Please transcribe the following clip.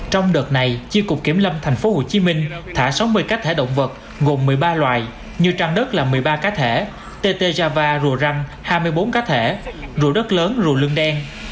trong đợt này chi cục kiểm lâm tp hcm thả sáu mươi cá thể động vật gồm một mươi ba loài như trang đất là một mươi ba cá thể tt java rùa răng hai mươi bốn cá thể rùa đất lớn rùa lương đen